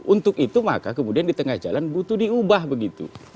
untuk itu maka kemudian di tengah jalan butuh diubah begitu